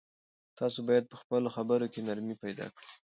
تاسو باید په خپلو خبرو کې نرمي پیدا کړئ.